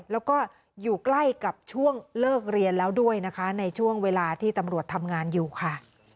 แล้วก็อยู่ใกล้กับช่วงเลิกเรียนแล้วด้วยนะคะในช่วงเวลาที่ตำรวจทำงานอยู่ค่ะ